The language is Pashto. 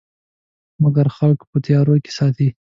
مګر خلک په تیارو کې ساتي.